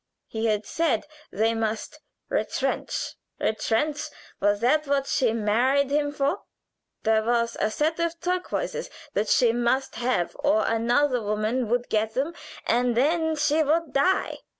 He had said they must retrench. Retrench! was that what she married him for! There was a set of turquoises that she must have, or another woman would get them, and then she would die.